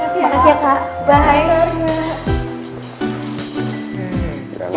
makasih ya pak